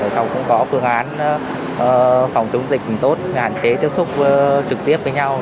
sau đó cũng có phương án phòng chống dịch tốt hạn chế tiếp xúc trực tiếp với nhau